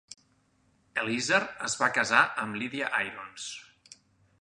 Eleazer es va casar amb Lydia Irons.